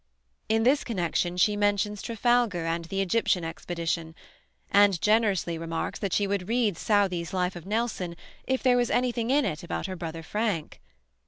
In this connection she mentions Trafalgar and the Egyptian expedition, and generously remarks that she would read Southey's "Life of Nelson" if there was anything in it about her brother Frank!